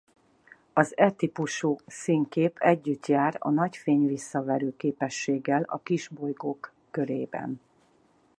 Az E típusú színkép együtt jár a nagy fényvisszaverő képességgel a kisbolygók körében.